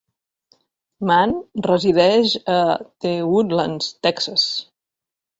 Mann resideix a The Woodlands, Texas.